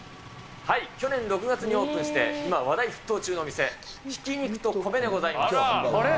去年６月にオープンして、今、話題沸騰中の店、挽肉と米でございます。